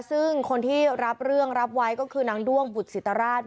ซึ่งคนที่รับเรื่องรับไว้ก็คือนางด้วงบุตรศิตราช